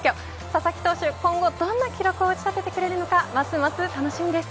佐々木投手、今後どんな記録を打ち立ててくれるのかますます楽しみです。